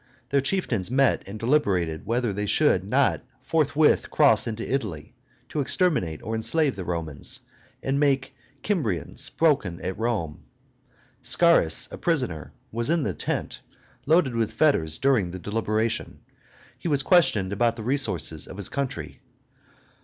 Their chieftains met and deliberated whether they should not forthwith cross into Italy, to exterminate or enslave the Romans, and make Kymrian spoken at Rome. Scaurus, a prisoner, was in the tent, loaded with fetters, during the deliberation. He was questioned about the resources of his country.